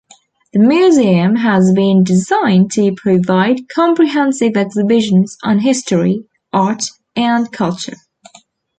The Museum has been designed to provide comprehensive exhibitions on history, art and culture.